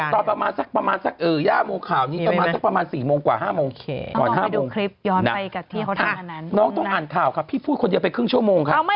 ตอน๕โมงน่ะน้องต้องอ่านข่าวครับพี่พูดคนเดียวไปครึ่งชั่วโมงค่ะ